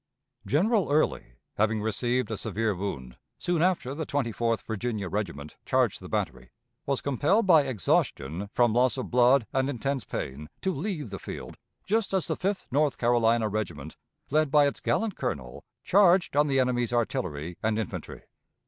General Early, having received a severe wound, soon after the Twenty fourth Virginia Regiment charged the battery, was compelled by exhaustion from loss of blood and intense pain to leave the field just as the Fifth North Carolina Regiment, led by its gallant colonel, charged on the enemy's artillery and infantry.